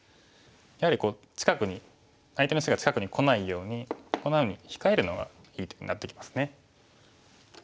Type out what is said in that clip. やはり近くに相手の石が近くにこないようにこんなふうに控えるのがいい手になってきますね。